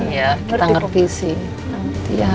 iya kita ngerti sih